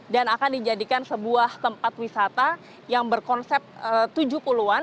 dan akan dijadikan sebuah tempat wisata yang berkonsep tujuh puluhan